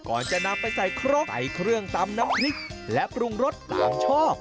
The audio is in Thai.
ก่อนจะนำไปใส่ครกใส่เครื่องตำน้ำพริกและปรุงรสตามชอบ